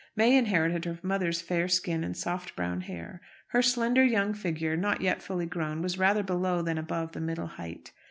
May inherited her mother's fair skin and soft brown hair. Her slender young figure, not yet fully grown, was rather below than above the middle height.